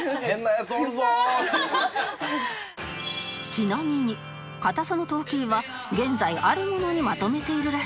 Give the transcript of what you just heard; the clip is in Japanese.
ちなみにかたさの統計は現在あるものにまとめているらしく